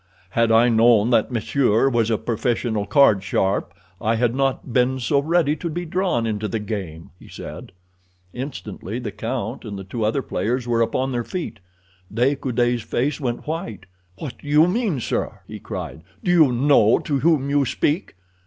"Had I known that monsieur was a professional card sharp I had not been so ready to be drawn into the game," he said. Instantly the count and the two other players were upon their feet. De Coude's face went white. "What do you mean, sir?" he cried. "Do you know to whom you speak?"